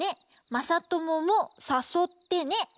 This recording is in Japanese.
まさとももさそってね。